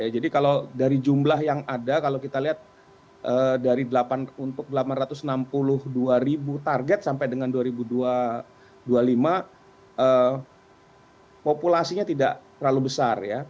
kalau dari jumlah yang ada kalau kita lihat untuk delapan ratus enam puluh dua ribu target sampai dengan dua ribu dua puluh lima populasinya tidak terlalu besar ya